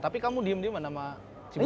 tapi kamu diem dieman sama si butet